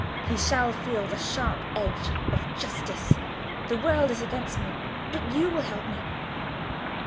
He shall feel the sharp edge of justice. The world is against me, but you will help me."